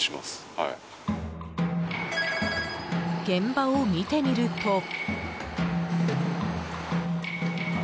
現場を見てみると。